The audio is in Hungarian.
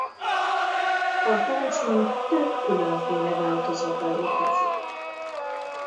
A táncnak több különféle változata létezik.